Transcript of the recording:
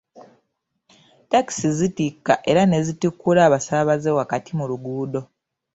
Takisi zitikka era ne zitikkula abasaabaze wakati mu luguudo.